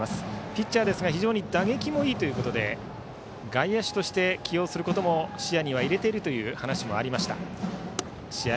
ピッチャーですが非常に打撃もいいということで外野手として起用することも視野に入れているという話がありました試合